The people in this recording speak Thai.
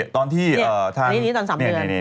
อันนี้ตอน๓เดือน